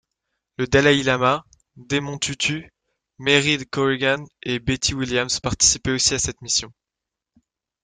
Le dalaï-lama, Desmond Tutu, Mairead Corrigan et Betty Williams participaient aussi à cette mission.